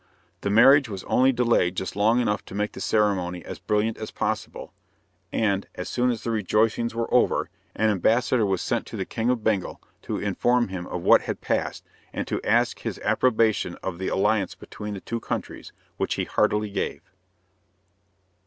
The marriage was only delayed just long enough to make the ceremony as brilliant as possible, and, as soon as the rejoicings were over, an ambassador was sent to the King of Bengal, to inform him of what had passed, and to ask his approbation of the alliance between the two countries, which he heartily gave.